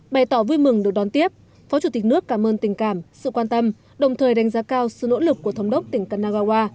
bày tỏ vui mừng được đón tiếp phó chủ tịch nước cảm ơn tình cảm sự quan tâm đồng thời đánh giá cao sự nỗ lực của thống đốc tỉnh kanagawa